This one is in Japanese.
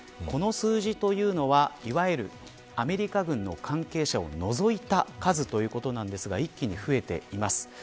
この数字というのは、いわゆるアメリカ軍の関係者を除いた数ということなんですが一気に増えています。